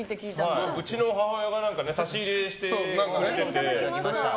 うちの母親が差し入れしてくれてて。